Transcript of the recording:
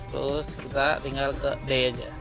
terus kita tinggal ke day aja